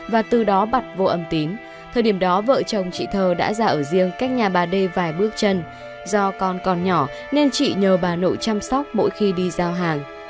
và từ đó bật vô âm tín thời điểm đó vợ chồng chị thơ đã ra ở riêng cách nhà bà d vài bước chân do con còn nhỏ nên chị nhờ bà nội chăm sóc mỗi khi đi giao hàng